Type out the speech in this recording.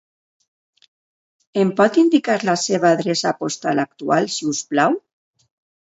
Em pot indicar la seva adreça postal actual, si us plau?